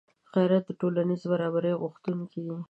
غیرت د ټولنیز برابري غوښتونکی دی